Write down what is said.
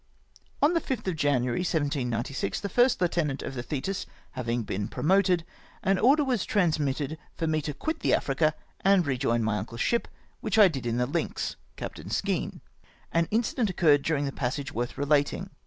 On the 5th of January 1796, the first heutenant of the Tlietis having been promoted, an order was trans mitted for me to quit the Africa., and rejoin my uncle's sliip, which I did in the Lynx., Captain Skene. An in cident occiu"red durmg the passage worth relating.